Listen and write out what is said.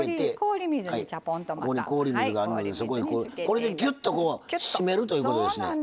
これでギュッとこう締めるということですね。